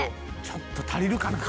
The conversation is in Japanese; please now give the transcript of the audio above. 「ちょっと足りるかな？